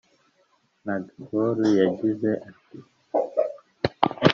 Naghoor yagize ati